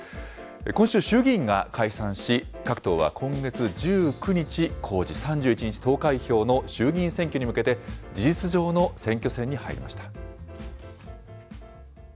今週、衆議院が解散し、各党は今月１９日公示、３１日投開票の衆議院選挙に向けて、事実上の選挙戦に入りました。